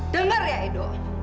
dengar ya edo